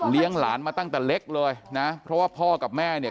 หลานมาตั้งแต่เล็กเลยนะเพราะว่าพ่อกับแม่เนี่ย